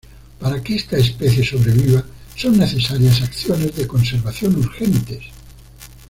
Para que esta especie sobreviva son necesarias acciones de conservación urgentes.